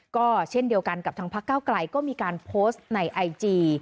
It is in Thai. ก็เช่นเดียวกันกับทางพักเก้าไกลก็มีการโพสต์ในไอจี